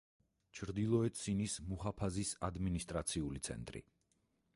ჩრდილოეთ სინის მუჰაფაზის ადმინისტრაციული ცენტრი.